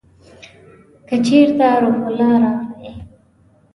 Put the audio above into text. که چېرته روح الله راغی !